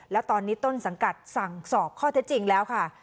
แล้วตอนนี้ต้นสังกัดสั่งสอบข้อเท็จจริงแล้วค่ะ